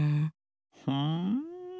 ふん？